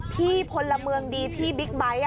พลเมืองดีพี่บิ๊กไบท์